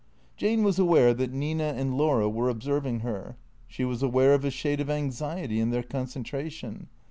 Jane was aware that Nina and Laura were observing her ; she was aware of a shade of anxiety in their concentration.